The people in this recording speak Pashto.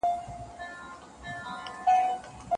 تاسو به د نوي کلتورونو په اړه معلومات ترلاسه کوئ.